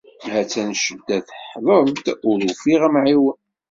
Ha-tt-an ccedda teḥḍer-d, ur ufiɣ amɛiwen.